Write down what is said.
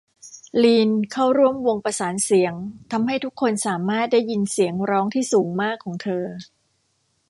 ลีนเข้าร่วมวงประสานเสียง ทำให้ทุกคนสามารถได้ยินเสียงร้องที่สูงมากของเธอ